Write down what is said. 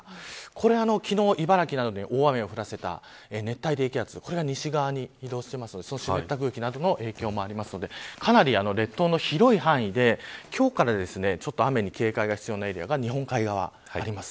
これは昨日茨城などに大雨を降らせた熱帯低気圧が西側に移動しているのでその湿った空気などの影響もあるのでかなり列島の広い範囲で今日から雨の警戒が必要なエリアが日本海側はあります。